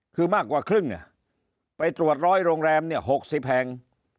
คือมากกว่าครึ่งไปตรวจร้อยโรงแรม๖๐แห่ง